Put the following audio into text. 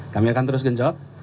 kami akan terus genjot